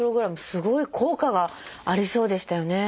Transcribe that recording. すごい効果がありそうでしたよね。